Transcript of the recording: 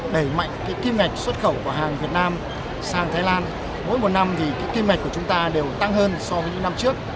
đẩy mạnh cái kim ngạch xuất khẩu của hàng việt nam sang thái lan mỗi một năm thì kim ngạch của chúng ta đều tăng hơn so với những năm trước